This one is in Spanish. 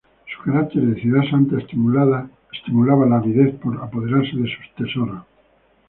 Su carácter de ciudad santa estimulaba la avidez por apoderarse de sus tesoros.